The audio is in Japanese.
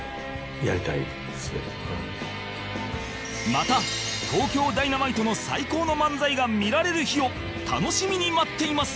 また東京ダイナマイトの最高の漫才が見られる日を楽しみに待っています